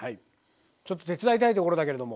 ちょっと手伝いたいところだけれども。